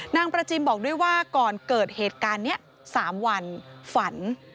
นางประจิมบอกด้วยว่าก่อนเกิดเหตุการณ์นี้๓วันฝัน